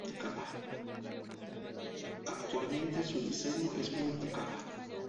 Actualmente, su diseño es multicapa.